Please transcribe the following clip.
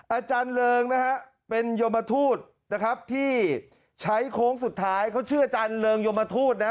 อาจารย์เริงนะฮะเป็นยมทูตนะครับที่ใช้โค้งสุดท้ายเขาชื่ออาจารย์เริงยมทูตนะ